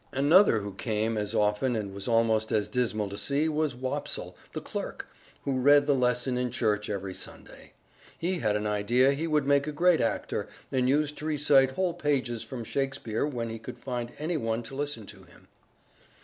Another who came as often and was almost as dismal to see was Wopsle, the clerk, who read the lesson in church every Sunday. He had an idea he would make a great actor and used to recite whole pages from Shakespeare when he could find any one to listen to him.